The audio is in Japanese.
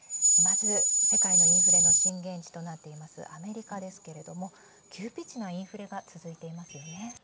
まず世界のインフレの震源地となっています、アメリカですけれども、急ピッチなインフレ続いていますよね。